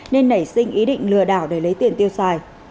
nên nảy sinh ý định lừa đảo để lấy tiền tiêu xài